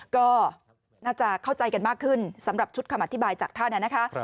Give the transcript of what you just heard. ก็น่าจะเข้าใจกันมากขึ้นสำหรับชุดคำอธิบายจากท่านนะคะ